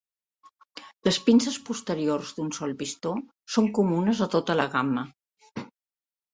Les pinces posteriors d'un sol pistó són comunes a tota la gamma.